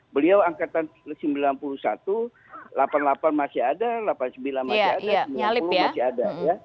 beliau angkatan sembilan puluh satu delapan puluh delapan masih ada delapan puluh sembilan masih ada sembilan puluh masih ada